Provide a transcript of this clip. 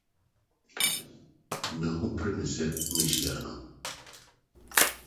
Me ho pere me sɛ mehyia no.